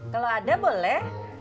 kalau ada boleh